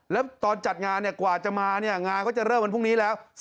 แล้วตอนจัดงานกว่าจะมาเนี่ยงานก็จะเริ่มวันพรุ่งนี้แล้ว